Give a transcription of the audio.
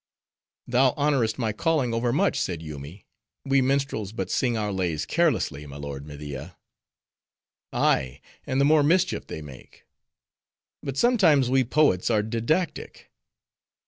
"Thou honorest my calling overmuch," said Yoomy, we minstrels but sing our lays carelessly, my lord Media." "Ay: and the more mischief they make." "But sometimes we poets are didactic."